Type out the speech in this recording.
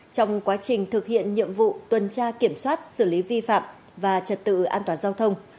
trong quá trình thực hiện nhiệm vụ tuần tra kiểm soát xử lý vi phạm và trật tự an toàn giao thông